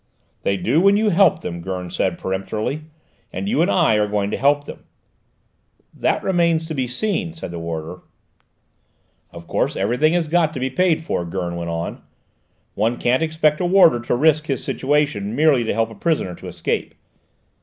"They do when you help them," Gurn said peremptorily; "and you and I are going to help them." "That remains to be seen," said the warder. "Of course, everything has got to be paid for," Gurn went on. "One can't expect a warder to risk his situation merely to help a prisoner to escape."